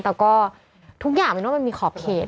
แต่ก็ทุกอย่างเป็นว่ามันมีขอบเขต